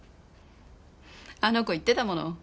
あの子言ってたもの。